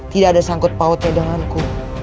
tidak ada sangkut pautnya denganku